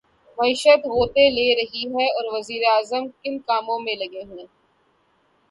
معیشت غوطے لے رہی ہے اور وزیر اعظم کن کاموں میں لگے ہوئے ہیں۔